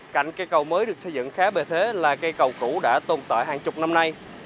cạnh cây cầu mới được xây dựng khá bề thế là cây cầu cũ đã tồn tại hàng chục năm nay